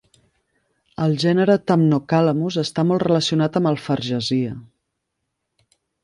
El gènere "thamnocalamus" està molt relacionat amb el "fargesia".